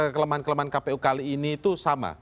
keleman keleman kpu kali ini itu sama